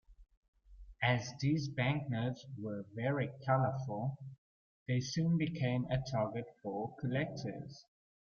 As these banknotes were very colorful, they soon became a target for collectors.